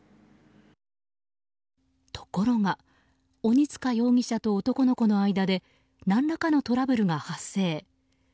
ところが鬼塚容疑者と男の子の間で何らかのトラブルが発生。